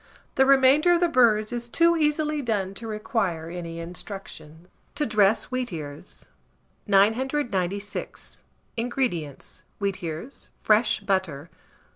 The remainder of the birds is too easily done to require any instructions. TO DRESS WHEATEARS. 996. INGREDIENTS. Wheatears; fresh butter.